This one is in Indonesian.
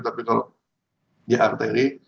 tapi kalau di arteri